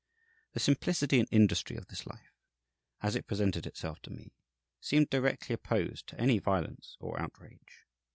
The simplicity and industry of this life, as it presented itself to me, seemed directly opposed to any violence or outrage.